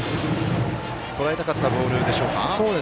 とらえたかったボールでしょうか。